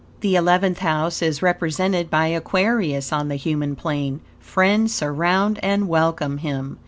The Eleventh House is represented by Aquarius on the human plane. Friends surround and welcome him.